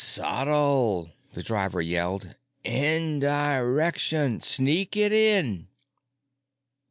"Subtle," the driver yelled. "Indirection. Sneak it in."